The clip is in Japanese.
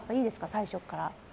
最初から。